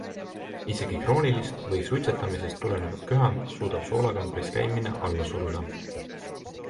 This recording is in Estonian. Isegi kroonilist või suitsetamisest tulenevat köha suudab soolakambris käimine alla suruda.